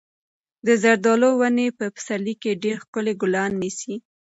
د زردالو ونې په پسرلي کې ډېر ښکلي ګلان نیسي.